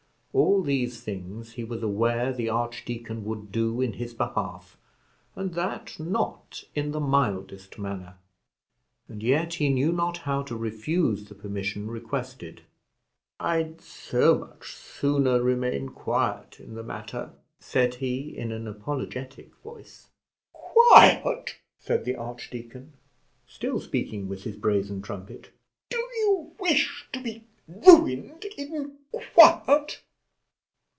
All these things he was aware the archdeacon would do in his behalf, and that not in the mildest manner; and yet he knew not how to refuse the permission requested. "I'd so much sooner remain quiet in the matter," said he, in an apologetic voice. "Quiet!" said the archdeacon, still speaking with his brazen trumpet; "do you wish to be ruined in quiet?"